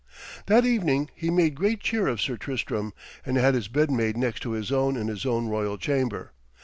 That evening he made great cheer of Sir Tristram, and had his bed made next to his own in his own royal chamber.